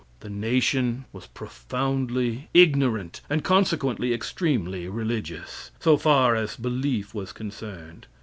The nation was profoundly ignorant, and consequently extremely religious, so far as belief was concerned.